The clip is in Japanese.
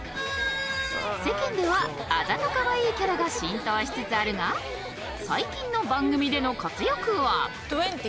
世間ではあざとカワイイキャラが浸透しつつあるが最近の番組での活躍はトウェンティ。